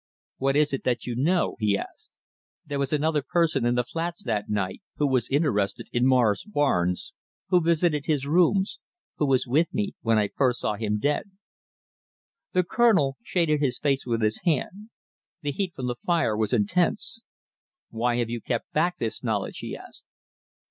"What is it that you know?" he asked. "There was another person in the flats that night, who was interested in Morris Barnes, who visited his rooms, who was with me when I first saw him dead." The Colonel shaded his face with his hand. The heat from the fire was intense. "Why have you kept back this knowledge?" he asked.